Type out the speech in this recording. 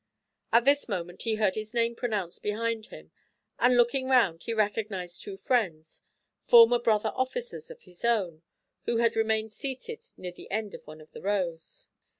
At this moment he heard his name pronounced behind him, and looking round, he recognized two friends, former brother officers of his own, who had remained seated near the end of one of the rows.